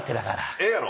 ええやろ？